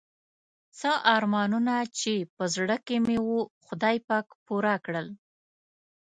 څه ارمانونه چې په زړه کې مې وو خدای پاک پوره کړل.